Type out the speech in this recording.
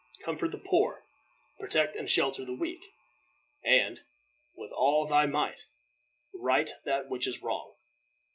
Comfort the poor, protect and shelter the weak, and, with all thy might, right that which is wrong.